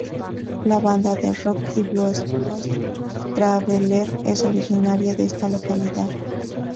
La banda de rock y blues Blues Traveler es originaria de esta localidad.